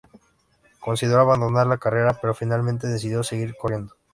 Consideró abandonar la carrera, pero finalmente decidió seguir corriendo.